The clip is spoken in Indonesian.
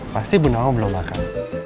pasti ibu nawang belum makan